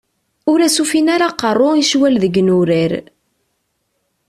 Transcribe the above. Ur as-ufun ara aqerru i ccwal deg yinurar.